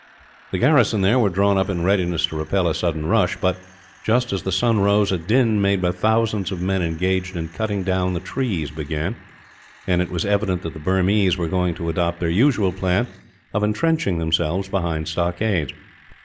The garrison there were drawn up in readiness to repel a sudden rush but, just as the sun rose, a din made by thousands of men engaged in cutting down the trees began, and it was evident that the Burmese were going to adopt their usual plan of entrenching themselves behind stockades.